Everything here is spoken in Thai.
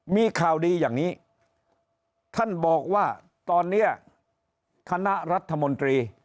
มีข่าวดีอย่างนี้ท่านบอกว่าตอนนี้คณะรัฐมนตรี